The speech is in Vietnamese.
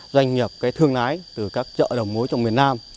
doanh nghiệp cái thương lái từ các chợ đầu mối trong miền nam